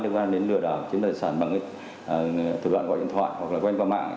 liên quan đến lừa đảo chính loại sản bằng thủ đoạn gọi điện thoại hoặc quen qua mạng